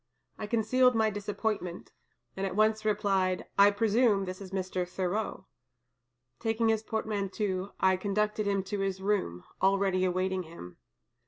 I concealed my disappointment, and at once replied, 'I presume this is Mr. Thoreau.' Taking his portmanteau, I conducted him to his room, already awaiting him.